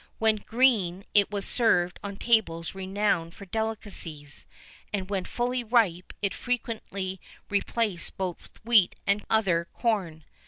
When green, it was served on tables renowned for delicacies; and, when fully ripe, it frequently replaced both wheat and other corn.